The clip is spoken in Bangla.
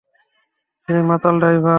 সেই মাতাল ড্রাইভার?